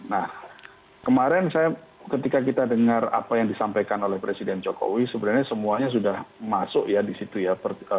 nah kemarin saya ketika kita dengar apa yang disampaikan oleh presiden jokowi sebenarnya semuanya sudah masuk ya di situ ya